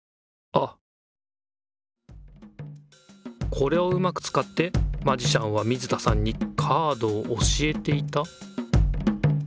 これをうまくつかってマジシャンは水田さんにカードを教えていた？